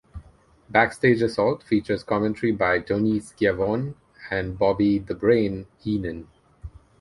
"Backstage Assault" features commentary by Tony Schiavone and Bobby "The Brain" Heenan.